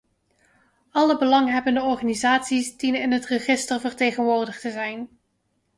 Alle belanghebbende organisaties dienen in het register vertegenwoordigd te zijn.